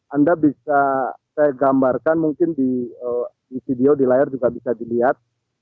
anda bisa saya gambarkan mungkin di video di layar juga bisa dilihat